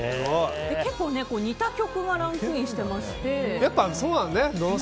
結構、似た曲がランクインしてまして。